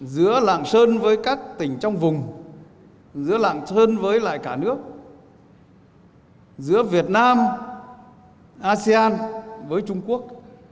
giữa lạng sơn với các tỉnh trong vùng giữa lạng sơn với lại cả nước giữa việt nam asean với trung quốc